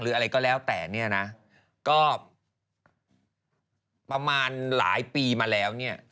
อะไรก็แล้วแต่เนี่ยนะก็ประมาณหลายปีมาแล้วเนี่ย